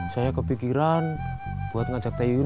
saya kepikiran buat ngajak teh yuyun